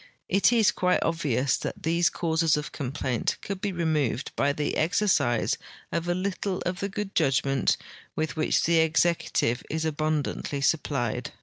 It is quite obvious that these causes of complaint could be removed by the exercise of a little of the good judgment with which the executive is abundantly supplied.